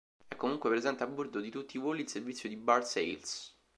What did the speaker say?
È comunque presente a bordo di tutti i voli il servizio di "bar sales".